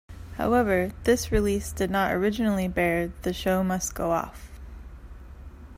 However, this release did not originally bear the "Show Must Go Off!